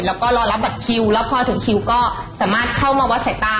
แล้วก็รอรับบัตรคิวแล้วพอถึงคิวก็สามารถเข้ามาวัดสายตา